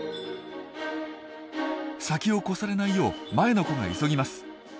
先を越されないよう前の子が急ぎます。